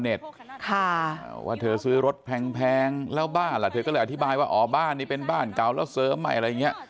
อเคลียร์ฟว่าเธอซื้อรถแพงแล้วมากก็แล้วอธิบายว่าออกมานี้เป็นบ้านเกาะแล้วเสริม